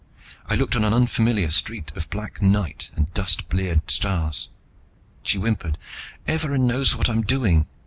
I looked on an unfamiliar street of black night and dust bleared stars. She whimpered, "Evarin knows what I'm doing.